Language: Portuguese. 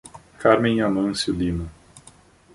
Carmem Amancio Lima